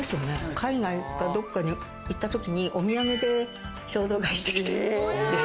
海外かどっかに行ったときにお土産で衝動買いしてきて。